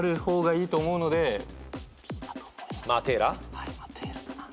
はいマテーラかな。